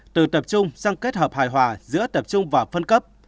từ tập trung sang kết hợp hài hòa giữa tập trung và phân cấp